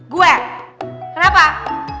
gue kenapa hah